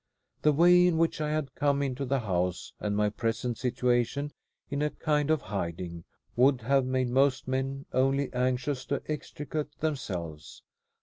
The way in which I had come into the house, and my present situation in a kind of hiding, would have made most men only anxious to extricate themselves.